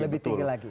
lebih tinggi lagi